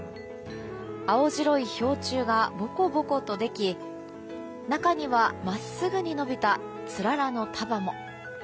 青白い氷柱が、ぼこぼことでき中には、真っすぐに伸びたつららの束も。